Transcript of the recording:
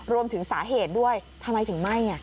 รวมถึงสาเหตุด้วยทำไมถึงไหม้